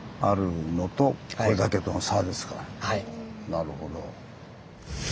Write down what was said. なるほど。